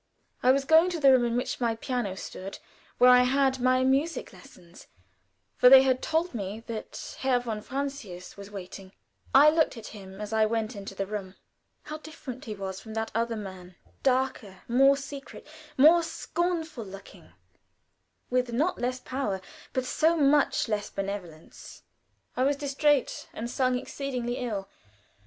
I was going to the room in which my piano stood, where I had my music lessons, for they had told me that Herr von Francius was waiting. I looked at him as I went into the room. How different he was from that other man; darker, more secret, more scornful looking, with not less power, but so much less benevolence. I was distrait, and sung exceedingly ill.